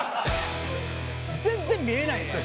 全然見えないんっすよ